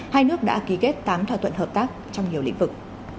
hai nước đã ký kết tám thỏa thuận hợp tác trong nhiều lĩnh vực